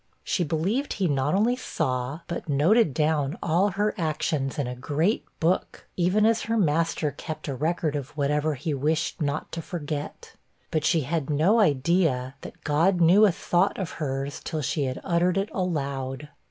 She believed he not only saw, but noted down all her actions in a great book, even as her master kept a record of whatever he wished not to forget. But she had no idea that God knew a thought of hers till she had uttered it aloud.